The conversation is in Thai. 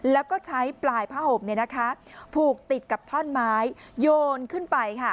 แล้วก็ใช้ปลายผ้าห่มผูกติดกับท่อนไม้โยนขึ้นไป